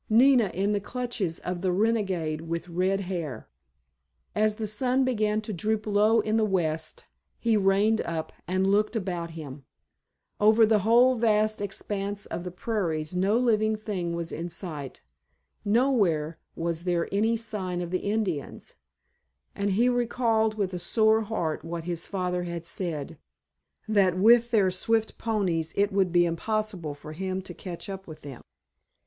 Nina in the clutches of the renegade with red hair! As the sun began to droop low in the west he reined up and looked about him. Over the whole vast expanse of the prairies no living thing was in sight. Nowhere was there any sign of the Indians, and he recalled with a sore heart what his father had said, that with their swift ponies it would be impossible for him to catch up with them.